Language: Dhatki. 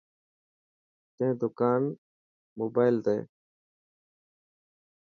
تين دڪان موبائل هي؟